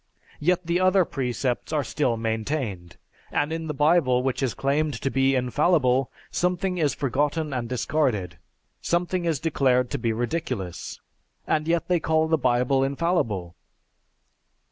Yet the other precepts are still maintained; and in the Bible which is claimed to be infallible, something is forgotten and discarded, something is declared to be ridiculous. And yet they call the Bible infallible.